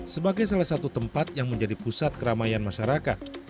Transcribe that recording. sebagai salah satu tempat yang menjadi pusat keramaian masyarakat